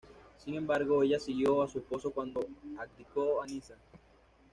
Sin embargo, ella siguió a su esposo cuando abdicó, a Niza.